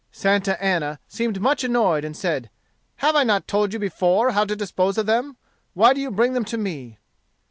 Santa Anna seemed much annoyed, and said, "Have I not told you before how to dispose of them? Why do you bring them to me?"